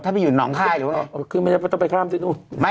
ถ้าไปอยู่หนองคายหรือว่าขึ้นไม่ได้เพราะต้องไปข้ามที่นู่น